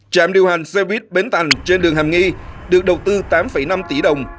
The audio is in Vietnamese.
trạm điều hành xe buýt bến thành trên đường hàm nghi được đầu tư tám năm tỷ đồng